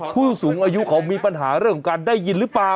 ผู้สูงอายุเขามีปัญหาเรื่องของการได้ยินหรือเปล่า